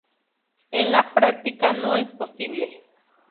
En la práctica no es posible.